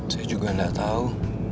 saya juga gak tau